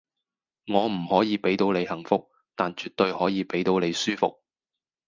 我唔可以俾到你幸福，但絕對可以俾到你舒服